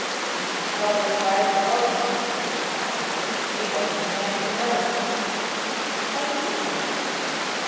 "You can quell those rising hopes," he replied. "He wasn't the man you heard." "How do you know?"